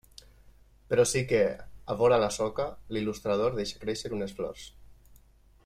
Però sí que, a vora la soca, l'il·lustrador deixa créixer unes flors.